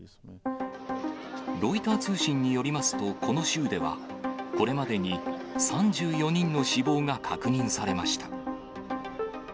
ロイター通信によりますと、この州では、これまでに３４人の死亡が確認されました。